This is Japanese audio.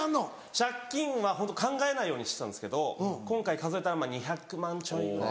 借金はホント考えないようにしてたんですけど今回数えたら２００万円ちょいぐらい。